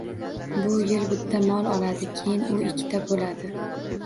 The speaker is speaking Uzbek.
Bu yil bitta mol oladi, keyin u ikkita bo‘ladi.